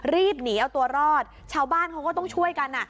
รีบหนีเอาตัวรอดชาวบ้านเขาก็ต้องช่วยกันอ่ะ